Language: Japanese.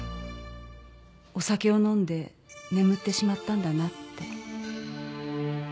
お酒を飲んで眠ってしまったんだなって。